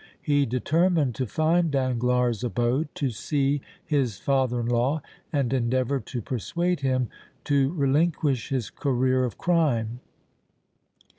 He determined to find Danglars' abode, to see his father in law and endeavor to persuade him to relinquish his career of crime.